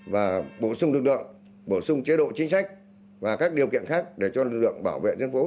và bổ sung lực lượng bổ sung chế độ chính sách và các điều kiện khác để cho lực lượng bảo vệ dân phố